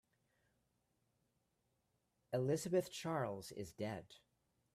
Elizabeth Charles is dead.